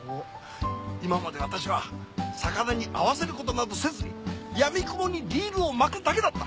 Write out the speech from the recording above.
今まで私は魚に合わせることなどせずに闇雲にリールを巻くだけだった。